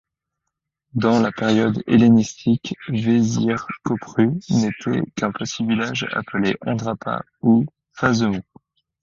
Dans la période hellénistique, Vezirköprü n'était qu'un petit village appelé Andrapa ou Phazemon.